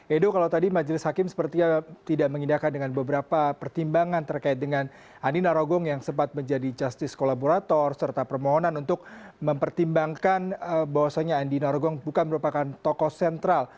edo kalau tadi majelis hakim sepertinya tidak mengindahkan dengan beberapa pertimbangan terkait dengan andi narogong yang sempat menjadi justice kolaborator serta permohonan untuk mempertimbangkan bahwasannya andi narogong bukan merupakan tokoh sentral